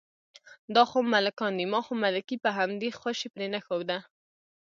دا خو ملکان دي، ما خو ملکي په همدې خوشې پرېنښوده.